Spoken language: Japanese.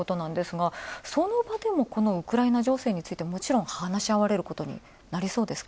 その場でもウクライナ情勢についても話し合われるようになりそうですか？